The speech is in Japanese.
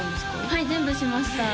はい全部しましたええ！